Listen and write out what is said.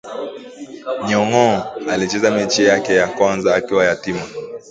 Nyong'o alicheza mechi yake ya kwanza akiwa yatima